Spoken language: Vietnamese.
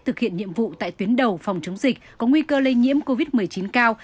thực hiện nhiệm vụ tại tuyến đầu phòng chống dịch có nguy cơ lây nhiễm covid một mươi chín cao